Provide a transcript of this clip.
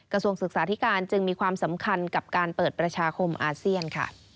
กระทรวงศึกษาธิการจึงมีความสำคัญกับการเปิดประชาคมอาเซียนค่ะ